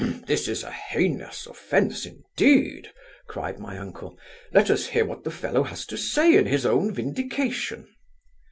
'This is a heinous offence, indeed (cried my uncle) let us hear what the fellow has to say in his own vindication.